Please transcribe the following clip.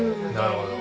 なるほど。